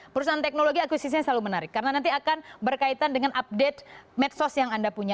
perusahaan teknologi akuisisinya selalu menarik karena nanti akan berkaitan dengan update medsos yang anda punya